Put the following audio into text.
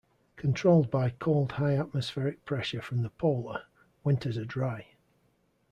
Controlled by cold high atmospheric pressure from the polar, winters are dry.